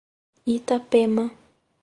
Itapema